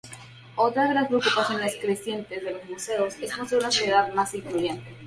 Otra de las preocupaciones crecientes de los museos es construir una sociedad más incluyente.